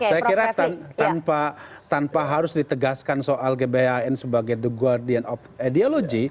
saya kira tanpa harus ditegaskan soal gbhn sebagai the guardian of ideology